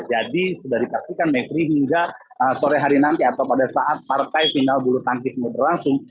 jadi sudah diperhatikan mepri hingga sore hari nanti atau pada saat partai final bulu tangkis muda langsung